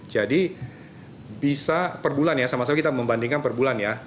jadi bisa per bulan ya sama sama kita membandingkan per bulan ya